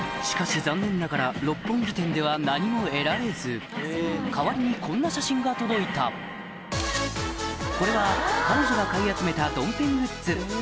しかし残念ながら六本木店では何も得られず代わりにこんな写真が届いたこれは彼女が買い集めたドンペングッズ